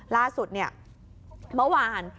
ล่าสุดเนี่ยเมื่อวาน